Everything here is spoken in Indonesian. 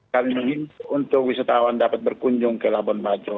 kami menginginkan untuk wisatawan dapat berkunjung ke labon bajo